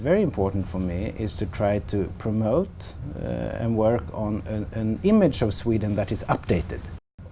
và họ rất thích hợp với sài gòn tôi nói rằng